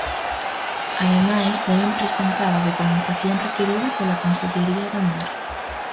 Ademais, deben presentar a documentación requirida pola Consellería do Mar.